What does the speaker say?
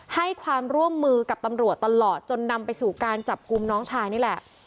ให้ความร่วมมือกับตำรวจตลอดจนนำไปสู่การจับกลุ่มน้องชายนี่แหละ